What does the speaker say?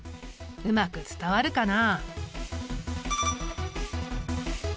うまく伝わるかな。